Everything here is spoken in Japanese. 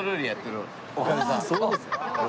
そうですか。